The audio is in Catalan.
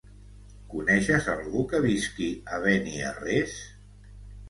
Coneixes algú que visqui a Beniarrés?